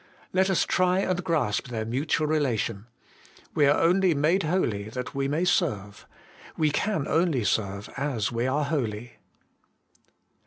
Let us try and grasp their mutual relation. We are only made HOLINESS AND SERVICE. 237 holy that we may serve. We can only serve as we are holy.